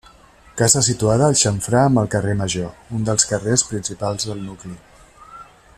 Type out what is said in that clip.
Casa situada al xamfrà amb el Carrer Major, un dels carrers principals del nucli.